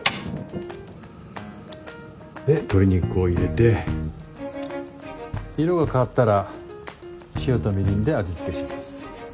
で鶏肉を入れて色が変わったら塩とみりんで味付けします。